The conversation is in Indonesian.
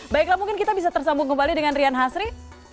baiklah mungkin kita bisa tersambung kembali dengan rian hasri